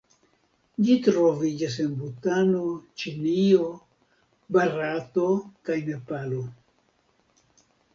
Ĝi troviĝas en Butano, Ĉinio, Barato kaj Nepalo.